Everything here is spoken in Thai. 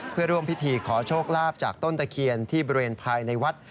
เพื่อร่วมพิธีขอโชคลาภจากต้นตะเคียนที่บริเวณภายในวัด